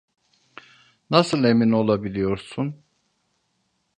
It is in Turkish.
Nasıl emin olabiliyorsun?